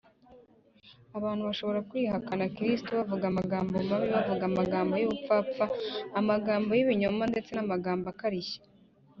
abantu bashobora kwihakana kristo bavuga amagambo mabi, bavuga amagambo y’ubupfapfa, amagambo y’ibinyoma ndetse n’amagambo akarishye